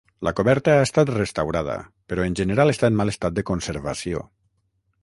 La coberta ha estat restaurada, però en general està en mal estat de conservació.